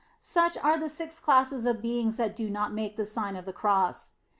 Such are the six classes of beings that do not make the Sign of the Cross.